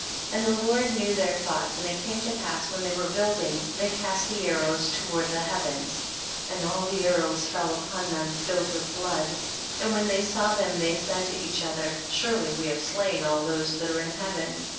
29. And the Lord knew their thoughts, and it came to pass when they were building they cast the arrows toward the heavens, and all the arrows fell upon them filled with 24 THE BOOK OF JASHER. blood, and when ihey saw them they said to each other, surely we have slain all those that are in heaven.